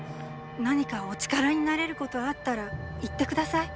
何かお力になれることあったら言って下さい。